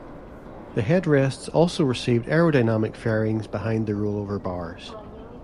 The headrests also received aerodynamic fairings behind the rollover bars.